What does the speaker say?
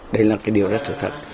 đây là cái điều rất là thật